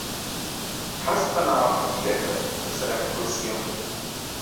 هەست بە ناڕەحەتی دەکەم لەسەر ئەم کورسییە.